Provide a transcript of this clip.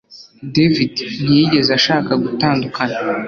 David ntiyigeze ashaka gutandukana